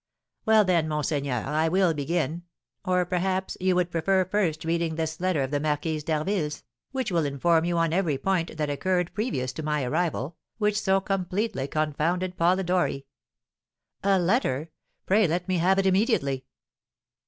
"Well, then, monseigneur, I will begin, or, perhaps, you would prefer first reading this letter of the Marquise d'Harville's, which will inform you on every point that occurred previous to my arrival, which so completely confounded Polidori." "A letter! Pray let me have it immediately."